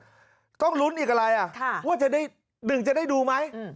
ต้องลุ้นอีกอะไรว่าจะได้หนึ่งจะได้ดูไหม